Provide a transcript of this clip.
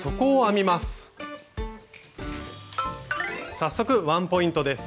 早速ワンポイントです。